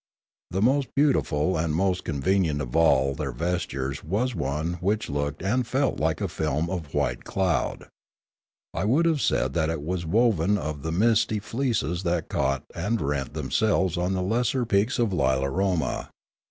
The most beautiful and most convenient of all their vestures was one which looked and felt like a film of white cloud; I would have said that it was woven of the misty fleeces that caught and rent themselves on the lesser peaks of Lilaroma.